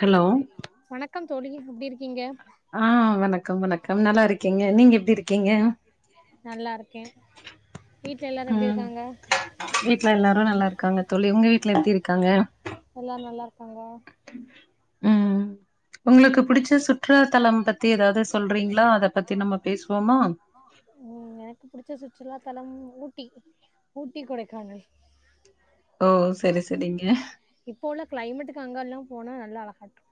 Hello வணக்கம் தோழி எப்டி இருக்கீங்க ஆ வணக்கம் வணக்கம் நல்லா இருக்கீங்க நீங்க எப்டி இருக்கீங்க நல்லா இருக்கே வீட்ல எல்லாரு எப்டி ம் இருக்காங்க வீட்ல எல்லாரு நல்லா இருக் இருக்காங்க தோழி உங்க வீட்ல எப்டி இருக்காங்க எல்லாரு நல்லா இருக்காங்க ம் உங்களுக்கு [inaudible] புடிச் அத பத்தி நம்ம பேசுவோமா ம் எனக்கு புடிச்ச சுற் சுற்றுலாத்தலம் ஊட்டி ஊட்டி கொடைக்கானல் ஓ செரி செரிங்க இப்போ உள்ள கிளைமேட்டுக்கு அங்கல்லா போனா நல்லா அழகாட்ருக்கு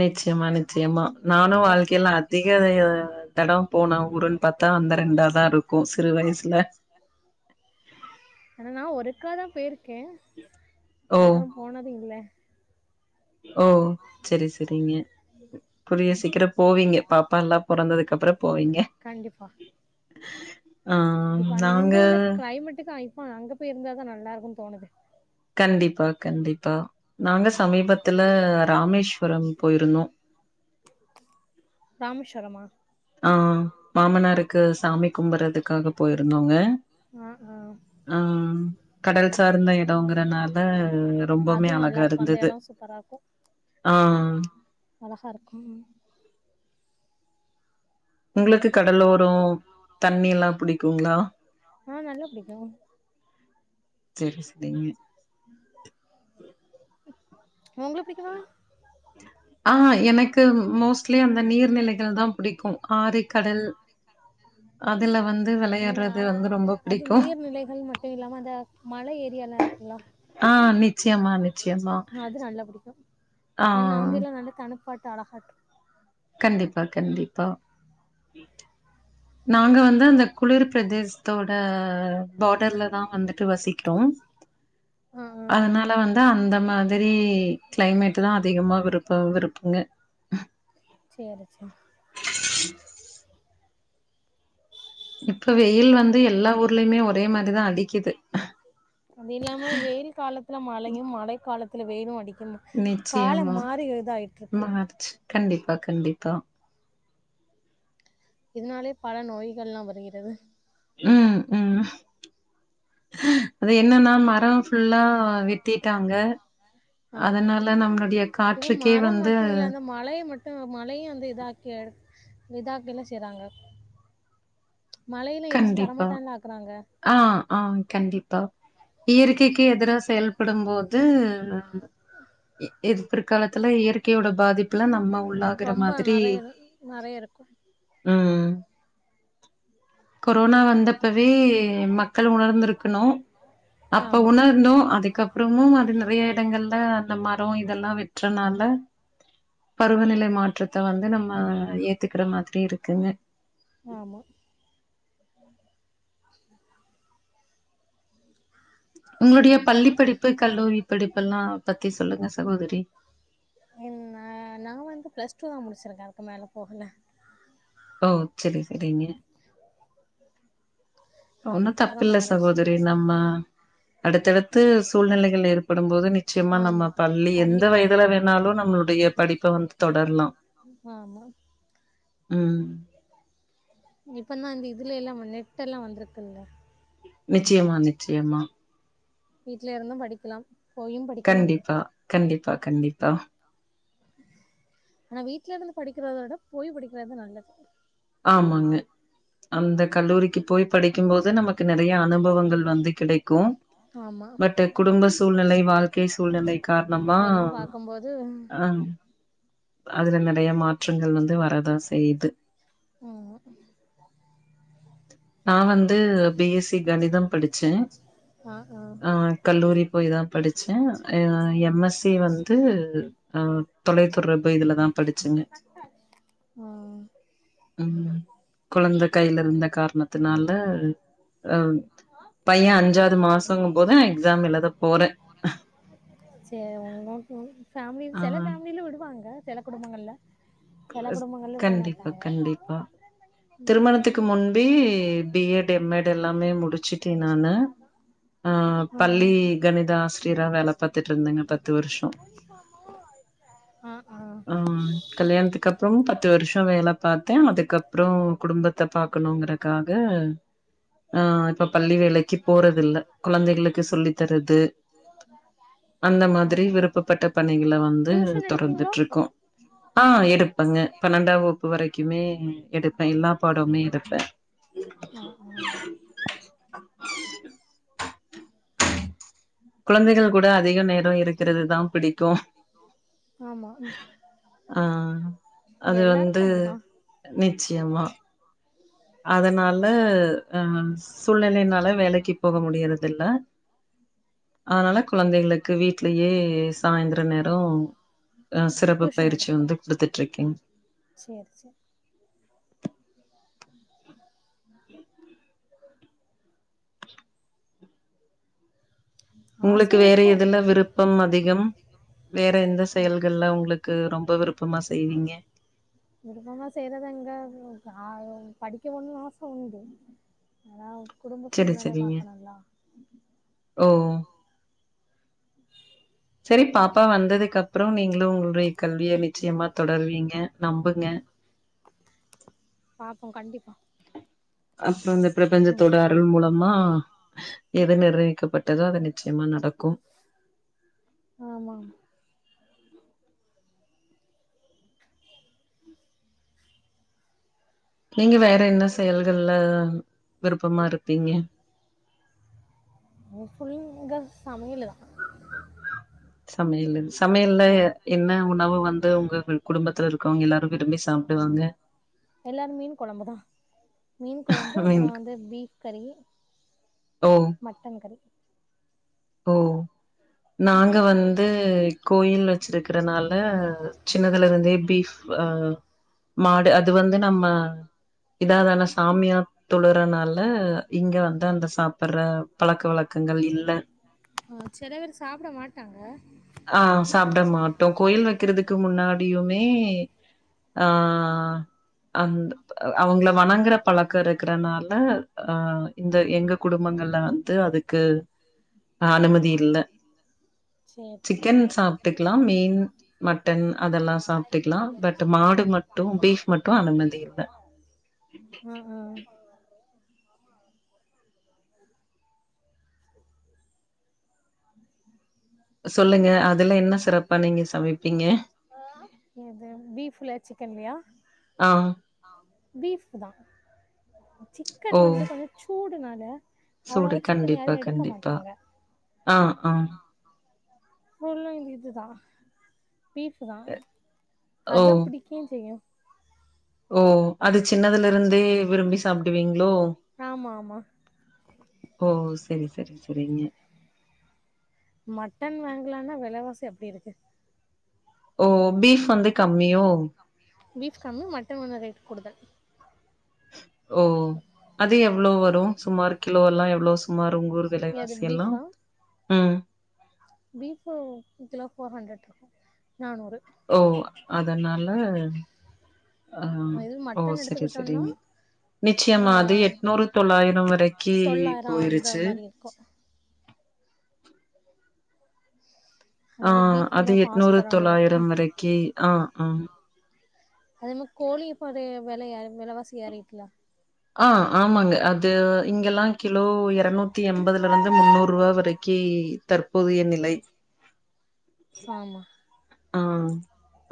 நிச்சயமா நிச்சயமா நானு வாழ்க்கையில அதிகவே தட போன ஊருன்னு பாத்தா அந்த ரெண்டாதான் இருக்கு சிறு வயசுல ஆன நா ஒர்க்கா தான் போயிருக் ஓகே ஓ அதுக்கு அப்பற போனது இல்ல ஓ செரி செரிங்க புரியஸ் [unintelligible] போவீங்க பாப்பா எல்லா பொறந்ததுக்கு அப்புற போவிங்க கண்டிப்பா [inaudible] ஆ நாங்க ஆமா, அங்க போய் இருந்தாதா நல்லா இருக்குனு தோணுது கண்டிப்பா கண்டிப்பா நாங்க சமீபத்துல ராமேஸ்வரம் ராமேஷ்வரம் போயிருந்தோம். போய்ருந்தோ ராமேஷ்வரமா ஆ மாமனாருக்கு சாமி கும்பறதுக்காக போயிரு ருந்தோங்க ஆ ஆ ஆ கடல் சார்ந்த எடங்கிறனால ரொம்பமே அதுவு நல்லா இருக்கு அந்த அழகாருந்தது எடோ சூப்பரா இருக்கு ஆ அழகா இருக்கு உங்ளுக்கு கடலோரோ தண்ணிலா புடிக்குங்ளா ஆ நல்லா பிடிக்கு செரி செரிங்க உங்ளு புடிக்குமா ஆ எனக்கு மோஸ்ட்லி அந்த நீர்நிலைகள் தான் புடிக்கும். ஆறு, கடல் அதுல வந்து உன்னு விளையாடுறது அ வந்து ரொம்ப அது பிடிக்கும். நீர்நிலைகள் மட்டு இல்லாம அந்த மழை ஏரியாலா இருக்கல்ல ஆஹ் நிச்சியமா நிச்சியமா புடிக்கு ஏனா அங்கதா நல்ல தனப்பாட் தலஹாட் ம் நாங்க வந்து அந்த குளிர் பிரதேசத்தோட பாடர்லதா வந்துட்டு வசிக்கிறோம் ஆ ஆ அதனால வந்து அந்த மாதிரி க்ளைமேட் த்துதா அதிகமா விருப்ப விருப்புங்க சேரி சேரி இப்ப வெயில் வந்து எல்லா ஊர்லியுமே ஒரே மாரிதா அடிக்கிது அது இல்லாம வெயில் காலத்துல மழையு மழ காலத் த்ல வெயிலு அடிக் நிச்சியமா மாறிச்சு கண்டிப் ப்பா கண்டிப்பா இதனாலே பல நோய்கள்லா வருகிறது உம் உம் வெட்டிட்டாங்க. ஆமா அதனால நம்மளுடைய இப்ப காற்றுக்கே மரம் வந்து மட்டு இல்ல அந்த மலைய மட்டு மலையு வந்து இதாக்கி இதாக்கி என்ன செய்றாங்க மழையில இடிச்சு கண்டிப்பா தரமாட்டான்ல ஆக்குறாங்க ஆஹ் ஆஹ் ஆஹ் கண்டிப்பா இயற்கைக்கு எதிரா செயல்படும் போது போது இர் பிற்காலத்துல இயற்கையோட பாதிப்பு இப்பல்லா நம்ம உள்ளாகற ரொம்ப மாதிரி நெறைய நெறைய இருக்கு உம் [inaudible] கொரோனா வந்தப்பவே மக்கள் உணர்ந்துருக்கணு அப்ப ஆமா உணர்ந்தோ அதுக்கப்புறமும் அதுல்ல நறைய இடங்கள்ல அந்த மரோ இதெல்லா வெட்டுறதுனால பருவநிலை மாற்றத்த வந்து நம்ம ஏத்துக்கிற மாதிரி இருக்குங்க ஆமா உங்களுடைய பள்ளி படிப்பு கல்லூரி படிப் இப்பெல்லா பத்தி சொல்லுங்க சகோதரி என் நா நா வந்து பிளஸ் டூ தா முடிச்சிருக்க அதுக்கு மேல போகல ஓ செரி செரிங்க ஒன்னு அதுக்கப்புறோ தப்பில்ல மேரேஜ் தா சகோதரி நம்ம அடுத்தது புது சூழ்நிலைகள் ஏற்படும் போது நிச்சயமா ஆமா நம்ம பள்ளி எந்த கண்டிப்பா வயதுல வேணாலு நம்மளுடைய படிப்ப வந்து தொடரலா ஆமா உம் இப்ப தா இந்த இதுலல்லா நெட் எல்லா வந்திருக்குல்ல நிச்சயமா நிச்சயமா வீட்ல இருந்து படிக்கலா கண்டிப்பா கண்ட ப்பா கண்டிப்பா ஆனா வீட்ல இருந்து படிக்கிறத விட போய் படிக்கிறதுதா நல்லது ஆமாங்க அந்த கல்லூரிக்கு போய் படிக்கும் போது நமக்கு நெறய அனுபவங்கள் வந்து கிடைக்கு ஆமா பட் குடும்ப சூழ்நிலை வாழ்க்கை சூழ்நிலை காரணமா எல்லா பாக்கும்போது அஹ் அதுல நிறைய மாற்றங்கள் வந்து வரதா செய்து ஆமா நா வந்து பிஎஸ்சி கணிதம் படிச்சே ஆ ஆ ஆஹ் கல்லூரி போய் தா படிச்சே எம்எஸ்சி வந்து தொலைதொடர் இப்ப இதுலதா படிச்சங்க உம் அ பைய அஞ்சாவது மாசங்கும் போது நா எக்ஸாம் எழுத போறே ஆ செல பேமலில விடுவாங்க சில குடும்பங்கள்ல சில குடும்பங்கள்ல விட கண்டிப்பா மாட்டாங்க கண்டிப்பா உம் முன்பே பிஎட் எம்எட் எல்லாமே முடிச்சுட்டே நானு ஆஹ் ஆ பள்ளி கணித ஆசிரியரா வேல பாத்துட்டு இருந்தேங்க பத்து வருஷம் ஆ ஆ ஆ ஆஹ் கல்யாணத்துக்கு அப்புறம் பத் பத்து வருஷம் வேல பாத்தே அதுக் அப்புறோ குடும்பத்த பாக்கணுங்கறக்காக ஆஹ் இப்ப பள்ளி வேலைக்கு போறது இல்ல குழந்தைகளுக்கு சொல்லி தரது அந்த மாரி ஆமா விருப்பப்பட்ட பணிகளை வந்து டியூஷன் எடுப்பீங்களா தொடறந்துட்டு இருக்கோ ஆஹ் எடுப்பங்க பன்னெண்டாம் வகுப்பு வரைக்குமே எடுப்பே எல்லா பாடமுமே எடுப்பே ஆ ஆ குழந்தைகள் கூட அதிக நேரோ இருக்கிறதுதா பிடிக்கு ஆமா ஆ அது எல்லாருக்கு வந்து அப்டிதா நிச்சியமா அதனால சூழ்நெலைனால வேலைக்கு போக முடியறது இல்ல அதனால குழந்தைகளுக்கு வீட்லயே சாயந்திர நேரோ அ சிறப்பு டியூஷன் பயிற்சி எடுக்கணு வந்து குடுத்துட்டு இருக்கேங்க சேரி சேரி ஆச உங்களுக்கு வேற இருக்கு எதுல விருப்பம் அதிகம் வேற எந்த செயல்கள்ல உங்களுக்கு ரொம்ப விருப் ப்பமா செய்வீங்க விருப்பமா செய்யறது எங்க ஆ படிக்க போணும்னு ஆச உண்டு ஆனா குடும்ப சரி சூழ்நிலைய சரிங்க பாக்கணுங்களா ஓ செரி பாப்பா வந்ததுக்கப்றோ நீங்களு உங்களுடைய கல்விய நிச்சயமா தொடர்வீங்க நம்பு ங்க பாப்போ கண்டிப்பா அப்ற இந் த ம் பிரபஞ்சத்தோட அருள் மூலமா நிர்விக்கப்பட் டதோ அது நிச்சயமா நடக்கும் ஆமாமா நீங்க வேற என்ன செயல்கள்ல விருப்பமா இருப்பிங்க நா ஃபுல்லுங்க சமயலுதா சமயலு சமையல்ல என்ன உணவு வந் து உங்கள் குடும்பத்துல இருக்கவங்க எல்லாரு விரும்பி சாப்டுவாங்க எல்லாரு மீன் கொழம்புதா மீன் கொழம்பு அப்பற மீன் வந்து பீஃப் கறி ஓ மட்டன் கறி ஓ நாங்க வந்து கோயில் வெச்சிருக்கறனால சின்னதுல இருந்தே பீஃப் அ மாடு அது வந்து நம்ம இதாதான சாமியா தொழ றனால இங்க வந்து அந்த சாப்படுற பழக்க வழக்கங்கள் இல்ல ஆ செல வேரு சாப்பட மாட்டாங்க ஆ சாப்பட மாட்டோ கோயில் வெக்கறதுக்கு முன்னாடியு மே ஆ அந் அவங்கள வணங்கற பழக்க இருக்கறனால ஆ இந்த எங்க குடும்பங்கள்ல வந்து அதுக் கு அனுமதி இல்ல சேர் சிக்கன் சேர் சாப்ட்டுக்கலாம். மீன், மட்டன் அதெல்லாம் சாப்ட்டுக்கலாம். பட் மாடு மட்டும் பீஃப் மட்டும் அனுமதி இல்ல. அ அ சொல்லுங்க அதுல என்ன சிறப்பா நீங்க சமைப்பீங்க? எது பீஃப்லயா சிக்கன்லயா ஆ. பீஃப்தா சிக்கன் ஓ! வந்து கொஞ்ச சூ டுனால சூடு கண்டிப்பா கண்டிப்பா ஆ ஆ ஃபுல்லு இதுதா பீஃப்தா ஓ! அதா புடிக்வுஞ் செய்யு ஓ அது சின்னதுல இருந்தே விரும்பி சாப்டுவீங்ளோ ஆமா ஆமா செரி செரி செரிங்க மட்டன் வாங்கலானா வெலவாசி அப்டி இருக்கு ஓ பீஃப் வந்து கம்மியோ பீஃப் கம்மி மட்டன் கொஞ்சொ ரேட் கூடுதல் ஓ அது எவ்ளோ வ சுமார் கிலோலா எவ்வோ சுமார் உங் ஊரு எது விலைவாசி எல்லா ம் பீஃப் ஒரு கிலோ ஃபோர் ஹண்ட்ரட் ருக்கு நானூறு ஓ அதனால அ ஆ இதுவே ஓ மட்டன் செரி எடுத்துக்கிட்டோன்னா செரிங்க நிச்யமா அது எட்நூறு தொள்ளாயிரம் வரைக்கி தொள்ளாயிரம் அந்த போயிருச்சு மாதிரி இருக்கும் ஆ அதனால் பீஃபுக்கு அது தான் இப்போ எட்நூறு ஆசைப்பட வேண்டியதாக தொள்ளாயிரம் இருக்குது வரைக்கி ஆ அம் அதேமா கோளி ப்போ அதே வெலைய வெலவாசி ஏறீர்க்குல ஆ ஆமாங்க அது இங்கெல்லா கிலோ எரநூத்தி எம்பதுலருந்து முன்னூறுவா வரைக்கி தற்போதைய நிலை ஆமா ஆ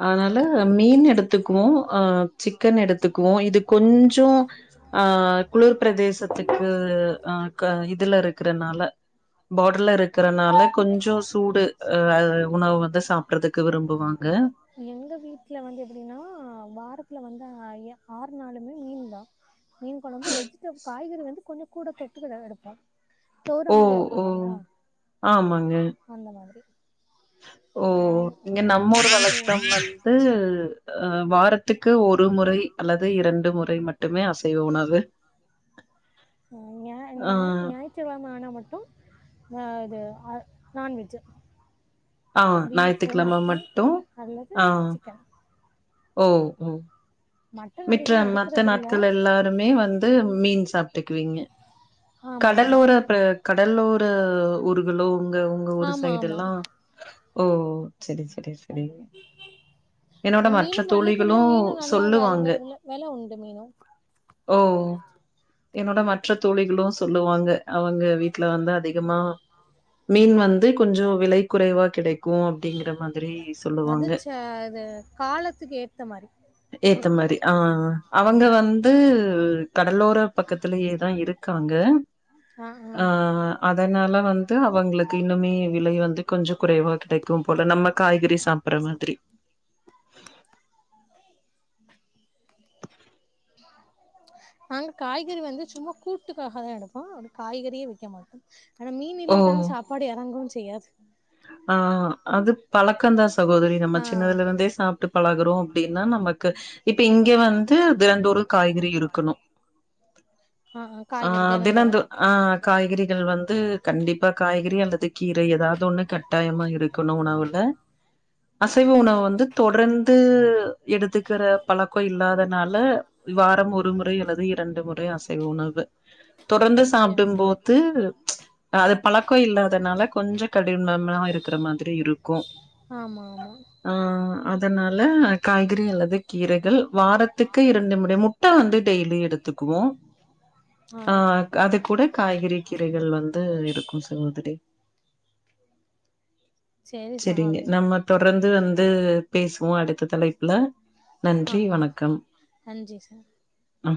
அதனால மீன் எடுத்துக்குவோ ஆ சிக்கன் எடுத்துக்குவோ இது கொஞ்சொ அ குளிர் ப்ரதேசத்துக்கு அ க இதுல இருக்கறனால பா டர்ல இருக்கறனால கொஞ்சொ சூடு அ உணவு வந்து சாப்றது எங்க வீட்ல வந்து எப்டினா வார த்துல வந்து ஆ ஏ ஆறு நாளுமே மீன்தா மீன் கொழம்பு வெஜிடப் காய்கறி வந்து கொஞ்ச கூட தொட்டுக்கதா எடுப்போ தோற ஓ மாரி ஓ வெப்பாங்கல்ல ஆமாங்க ரி ஓ இங்க நம்மூர் வழக்கம் வந்து அ வார் த்துக்கு ஒரு முறை அல்லது இரண்டு முறை மட் டுமே அசைவ உணவு ஆ ஞா ஆ ஞா ஞாயிற்று கெழம ஆனா மட் டு ஆ இது அ நான்வெஜ்ஜு ஆ பீஃபு ஞாயித்துக்கிழம மட்டன் மட்டு அல்லது ஆ சிக்கன் ஓ ஒ மட்டன் மிற்ற அதிகமாக மத்த எடுக்கிறதில்ல நாட்கள் எல்லாருமே வந்து மீன் சாப் ட்டுக்குவிங்க ஆமாம் ஆமாம் கடலோர ப கடலோ ர ஊர்களு உங்க உங்க ஊரு ஆமாம் சைடெல்லா ஆமாம் ஓ சரி சரி ச ரி என்னோட மற்ற மீனும் மலிப்பு தோழிகளு இல்லை மீனும் நல்லா வில சொல்லுவாங்க வில வில உண்டு மீனும் ஓ என்னோட மற்ற தோழிகளு சொல்லுவாங்க அவங்க வீட்ல வந்து அதிகமா மீன் வந்து கொஞ்சொ விலை குறைவா கிடைக் அது ச இது காலத்துக்கு ஏத்த மாரி ஏத்த மாரி ஆ அ அவங்க வந்து கடலோர பக்கத்திலயேதா இருக் காங்க ஆ அதனால வந்து அவங்களுக்கு இன்னுமே விலை வந்து கொஞ்ச குறைவா கிடைக்கும் போல நம்ம காய்கறி சாப்பற மாதிரி நாங்க காய்கறி வந்து சும்மா கூட்டுக்காகதா எடுப்போ அ காய்கறியே வெக்க மாட்டோ ஆனா மீன் ஓ இல்லாட்டாலு சாப்பாடு எறங்கவு செய் யாது ஆ அது பழக்கந்தா சகோதரி நம்ம ஆ சின்னதுல இருந்தே சாப்ட்டு பழகறோ அப்டி னா நமக்கு இப்ப இங்க வந்து தினந்தோறு காய்கறி இருக்கணு ஆ தினந்தோ ஆ காய்கறிகள் வந்து கண்டிப்பா காய்கறி அல்லது கீரை எதாவுது ஒண்ணு கட் டாயமா இருக்கணு உணவுல அசைவ உணவு வந்து தொடர்ந்து எடுத்துக்கற பழக்க இல்லாதனால வாரம் ஒரு முறை அல்லது இரண்டு முறை அசை வ உணவு தொடர்ந்து சரி சாப்டும் போது அது பழக்க இல்லாதனால கொஞ்ச கடினம் மா இருக்கிற மாதிரி இருக்கு, ஆமாம் ஆமாம் ஆ அதனால காய்கறி அல்லது கீரைகள் வாரத்துக்கு இரண்டு முறை முட்ட வந்து டெய்லி எடுத்துக்குவோ, ஆ அது கூட காய்கறி கீரைகள் வந்து எ [unintelligible] சேரி செரிங்க சகோதரி நம்ம தொடர்ந் து வந்து பேசு ஆமா நன்றி சார் ஆ